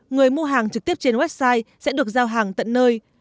người mua hàng trực tiếp trên website sẽ được giao hàng tận nơi